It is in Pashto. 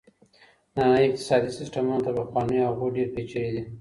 ننني اقتصادي سيستمونه تر پخوانيو هغو ډېر پېچلي دي.